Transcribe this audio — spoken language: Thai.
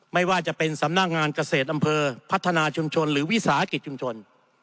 ไม่ว่าจะเป็นสำนักงานเกษตรอำเภอพัฒนาชุมชนหรือวิสาหกิจชุมชน